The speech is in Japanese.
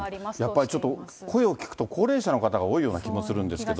やっぱりちょっと、声を聞くと高齢者の方が多いような気がするんですけど。